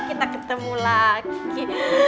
kita ketemu lagi